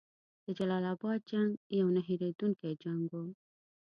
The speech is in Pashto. د جلال اباد جنګ یو نه هیریدونکی جنګ وو.